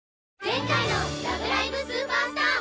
前回の「ラブライブ！スーパースター！！」